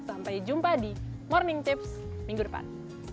sampai jumpa di morning tips minggu depan